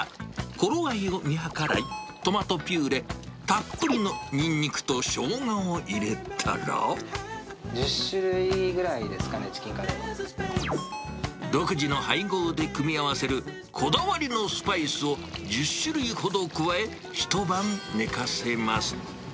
ころあいを見計らい、トマトピューレ、たっぷりのニンニクとショ１０種類ぐらいですかね、独自の配合で組み合わせるこだわりのスパイスを１０種類ほど加え、一晩寝かせます。